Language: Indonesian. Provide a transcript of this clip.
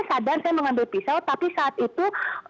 sadar saya mengambil pisau tapi saat itu